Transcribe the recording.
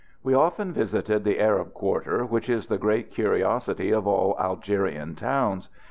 We often visited the Arab quarter, which is the great curiosity of all Algerian towns.